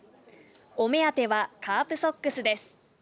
お目当てはカープソックスです。